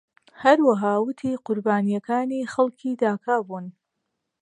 هەروەها ووتی قوربانیەکانی خەڵکی داکا بوون.